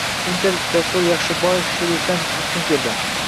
“Inter” Jasur Yaxshiboyevning “Sherif”idan ustun keldi